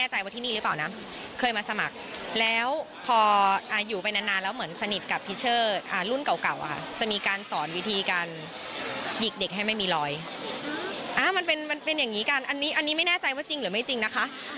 หยิกเด็กให้ไม่มีรอยมันเป็นอย่างนี้กันอันนี้ไม่แน่ใจว่าจริงหรือไม่จริงนะคะ